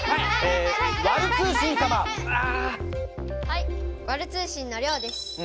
はいワル通信のりょうです。